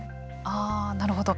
あなるほど。